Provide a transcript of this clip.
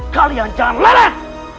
kalian jangan lelet